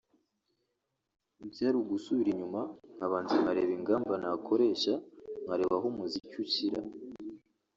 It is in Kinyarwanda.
Byari ugusubira inyuma nkabanza nkareba ingamba nakoresha nkareba aho umuziki ushyira